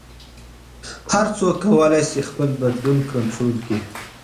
هر څوک کولی شي خپل بدلون کنټرول کړي.